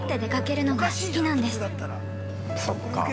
◆そっか。